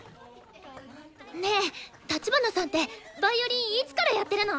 ねえ立花さんってヴァイオリンいつからやってるの？